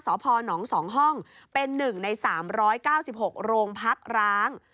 สพน๒ห้องเป็น๑ใน๓๙๖โรงพักร้าง